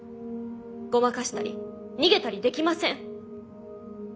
ごまかしたり逃げたりできません。